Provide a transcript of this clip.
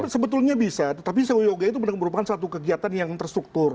sebetulnya bisa tapi sehoyoga itu merupakan satu kegiatan yang terstruktur